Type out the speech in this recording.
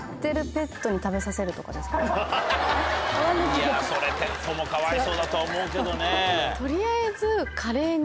いやそれペットもかわいそうだとは思うけどね。